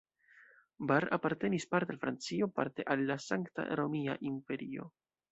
Bar apartenis parte al Francio, parte al la Sankta Romia Imperio.